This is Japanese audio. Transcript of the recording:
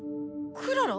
クララ⁉